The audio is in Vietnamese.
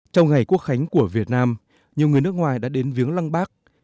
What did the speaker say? trong ngày quốc khánh của việt nam nhiều người nước ngoài đã đến viếng lăng bác